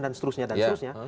dan seterusnya dan seterusnya